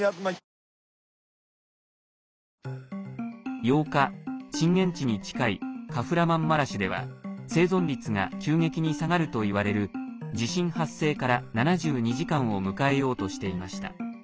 ８日、震源地に近いカフラマンマラシュでは生存率が急激に下がるといわれる地震発生から７２時間を迎えようとしていました。